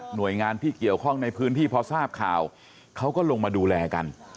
หน่วยงานที่เกี่ยวข้องในพื้นที่พอทราบข่าวเขาก็ลงมาดูแลกัน